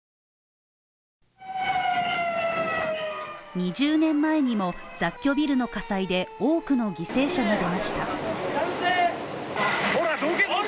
２０年前にも、雑居ビルの火災で多くの犠牲者が出ました。